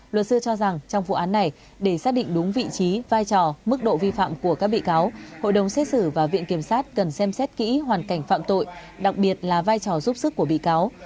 luật sư cho rằng trong vụ án này để xác định đúng vị trí vai trò mức độ vi phạm của các bị cáo hội đồng xét xử và viện kiểm sát cần xem xét kỹ hoàn cảnh phạm tội đặc biệt là vai trò giúp sức của bị cáo